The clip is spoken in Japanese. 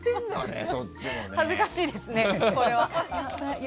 恥ずかしいですね、これは。